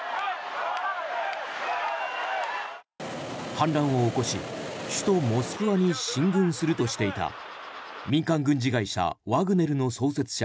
反乱を起こし首都モスクワに進軍するとしていた民間軍事会社ワグネルの創設者